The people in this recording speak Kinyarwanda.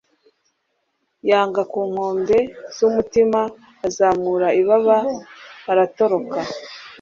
Yanga ku nkombe zumutima azamura ibaba aratoroka